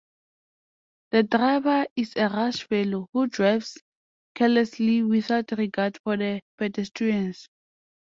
The driver is a rash fellow, who drives carelessly without regard for the pedestrians.